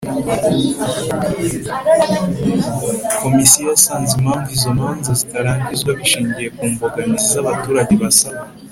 Komisiyo yasanze impamvu izo manza zitarangizwa bishingiye ku mbogamizi z abaturage basaba